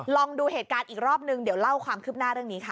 ลองดูเหตุการณ์อีกรอบนึงเดี๋ยวเล่าความคืบหน้าเรื่องนี้ค่ะ